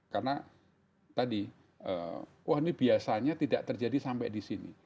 karena tadi wah ini biasanya tidak terjadi sampai di sini